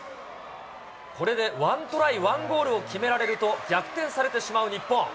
これでワントライワンゴールを決められると、逆転されてしまう日本。